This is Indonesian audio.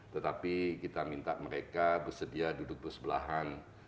tetapi kita minta mereka bersedia duduk bersebelahan